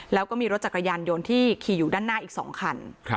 แล้วก็มีรถจักรยานยนต์ที่ขี่อยู่ด้านหน้าอีก๒คัน